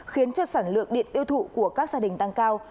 khiến cho sản lượng điện tiêu thụ của các gia đình tăng cao